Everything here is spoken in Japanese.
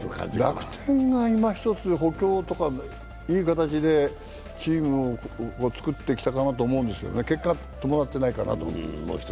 楽天がいまひとつ補強とかいい形でチームを作ってきたんじゃないかな、そう思うんだけど、結果が伴ってないかなと。